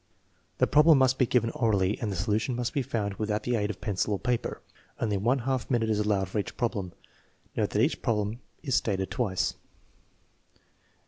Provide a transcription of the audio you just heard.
The problem must be given orally, and the solution must be found without the aid of pencil or paper. Only one half minute is allowed for each problem. Note that each prob lem is stated twice.